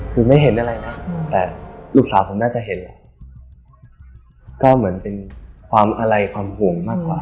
คือไม่เห็นอะไรนะแต่ลูกสาวผมน่าจะเห็นก็เหมือนเป็นความอะไรความห่วงมากกว่า